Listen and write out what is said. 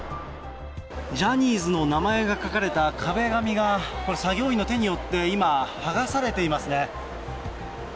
ジャニーズの名前が書かれた壁紙が、作業員の手によって今、剥がされていますね。